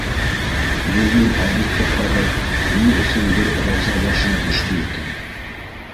Йыйын алйотто ҡарау ни өсөн бер Рауза башына төштө икән?